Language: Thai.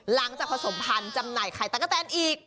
หลังจากผสมพันธุ์จำหน่ายไข่ตะกะแตนอีก